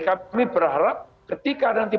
kami berharap ketika nanti